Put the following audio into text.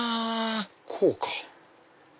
こうか。